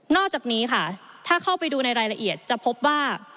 อกจากนี้ค่ะถ้าเข้าไปดูในรายละเอียดจะพบว่า